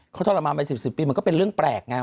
เขาทรมานไป๑๐๑๐ปีมันก็เป็นเรื่องแปลกไง